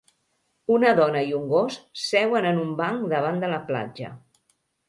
Una dona i un gos seuen en un banc davant de la platja.